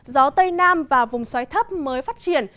gió tây nam và vùng xoáy thấp mới phát triển